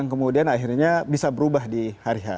kemudian akhirnya bisa berubah di hari h